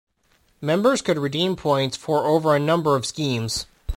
Members could redeem points for over a number of schemes.